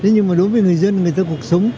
nhưng mà đối với người dân người ta cuộc sống